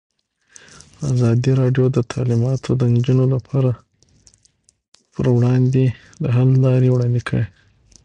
ازادي راډیو د تعلیمات د نجونو لپاره پر وړاندې د حل لارې وړاندې کړي.